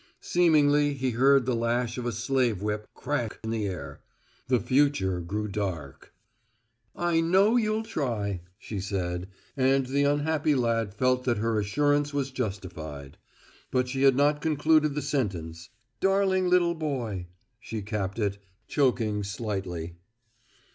Seemingly he heard the lash of a slave whip crack in the air. The future grew dark. "I know you'll try" she said; and the unhappy lad felt that her assurance was justified; but she had not concluded the sentence "darling little boy," she capped it, choking slightly.